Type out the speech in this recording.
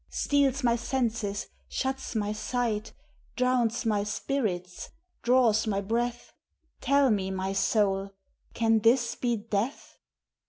Steals my senses, shuts my sight, Drowns n^ spirits, draws my breath? Tell me, my soul, can this be death